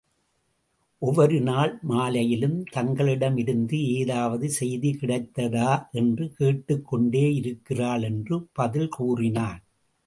ஒவ்வொரு நாள் மாலையிலும், தங்களிடமிருந்து ஏதாவது செய்தி கிடைத்ததா என்று கேட்டுக் கொண்டேயிருகிறாள் என்று பதில் கூறினான்.